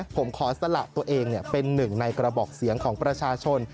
ผมขอสละตัวเองเป็นหนึ่งในกระบอกเสียงของประชาชน